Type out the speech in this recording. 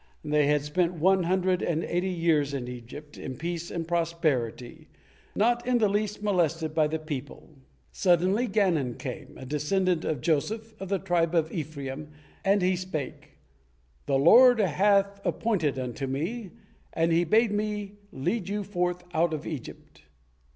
they had spent one hundred and eighty years in Egypt, in peace and prosperity, not in the least molested by the people. Suddenly Ganon came, a descendant of Joseph, of the tribe of Ephraim, and he spake, "The Lord hat appeared unto me, and He bade me lead you forth out of Egypt."